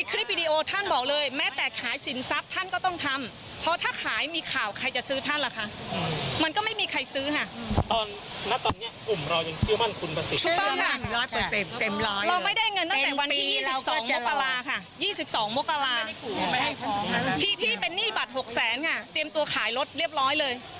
๒๒มกราพี่เป็นหนี้บัตร๖๐๐๐๐๐อ่ะเตรียมตัวขายรถเรียบร้อยเลย